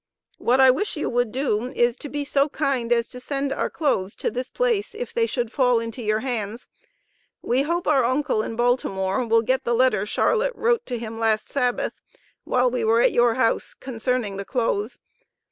What I wish you would do is to be so kind as to send our clothes to this place if they should fall into your hands. We hope our uncle in Baltimore will get the letter Charlotte wrote to him last Sabbath, while we were at your house, concerning the clothes.